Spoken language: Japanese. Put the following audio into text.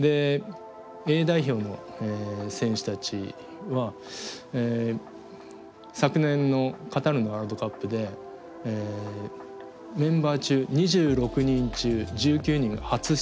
Ａ代表の選手たちは昨年のカタールのワールドカップでメンバー中２６人中１９人が初出場の選手だったんですね。